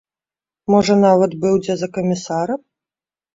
Можа, нават быў дзе за камісара?